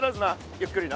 ゆっくりな。